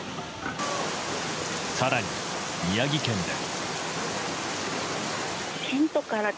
更に、宮城県で。